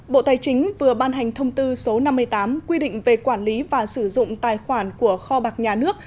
bộ tài chính vừa ban hành thông tư số năm mươi tám quy định về quản lý và sử dụng tài khoản của kho bạc nhà nước